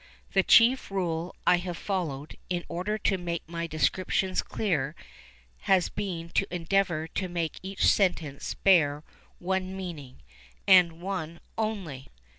The chief rule I have followed, in order to make my descriptions clear, has been to endeavour to make each sentence bear one meaning, and one only.